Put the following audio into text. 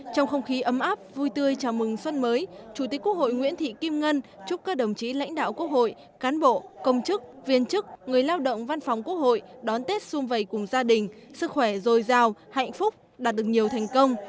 trong không khí ấm áp vui tươi chào mừng xuân mới chủ tịch quốc hội nguyễn thị kim ngân chúc các đồng chí lãnh đạo quốc hội cán bộ công chức viên chức người lao động văn phòng quốc hội đón tết xung vầy cùng gia đình sức khỏe dồi dào hạnh phúc đạt được nhiều thành công